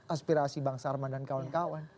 aspirasi bang sarman dan kawan kawan